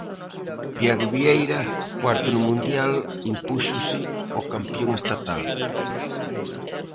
Diego Vieira, cuarto no Mundial, impúxose ao campión estatal.